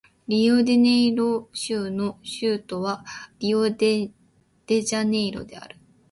リオデジャネイロ州の州都はリオデジャネイロである